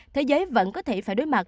thế giới vẫn có thể phải đối mặt